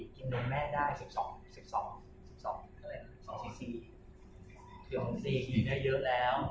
กินนมแม่ได้๑๒๑๔กินกันเยอะแล้ว